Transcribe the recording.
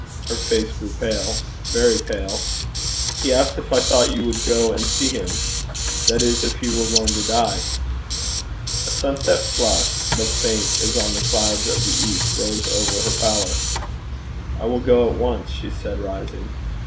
Her face grew pale very pale. 'He asked if I thought you would go and see him that is if he were going to die.' A sunset flush, but faint as on the clouds of the east, rose over her pallor. 'I will go at once,' she said, rising.